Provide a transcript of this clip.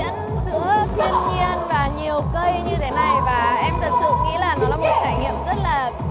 và em thật sự nghĩ là nó là một trải nghiệm rất là vui